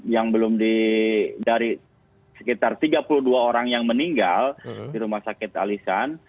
yang belum dari sekitar tiga puluh dua orang yang meninggal di rumah sakit alisan